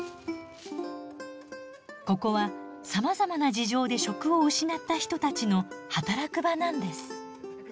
ここはさまざまな事情で職を失った人たちの働く場なんです。